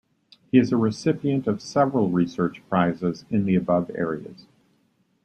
He is a recipient of several research prizes in the above areas.